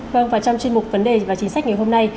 vâng và trong chuyên mục vấn đề và chính sách ngày hôm nay